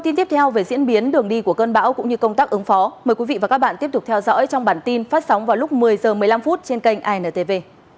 tin tiếp theo về diễn biến đường đi của cơn bão cũng như công tác ứng phó mời quý vị và các bạn tiếp tục theo dõi trong bản tin phát sóng vào lúc một mươi h một mươi năm phút trên kênh intv